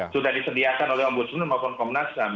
sudah disediakan oleh ombudsman maupun komnasam